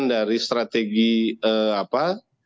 dari strategi apa